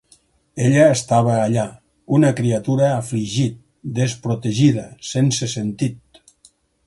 Ella estava allà, una criatura afligit, desprotegida, sense sentit.